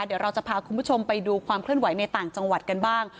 เดี๋ยวเราจะพาคุณผู้ชมไปดูความเคลื่อนไหวในต่างจังหวัดกันบ้าง